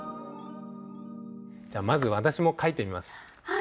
じゃあまず私も書いてみます。